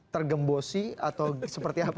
tergembosi atau seperti apa